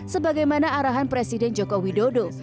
sebagaimana arahan presiden joko widodo